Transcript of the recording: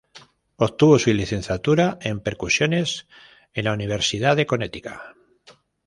Obtuvo su licenciatura en percusiones en la Universidad de Connecticut.